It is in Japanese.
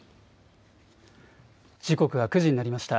時刻は９時になりました。